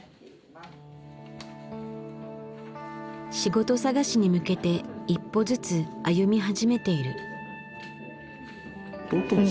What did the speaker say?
仕事探しに向けて一歩ずつ歩み始めている。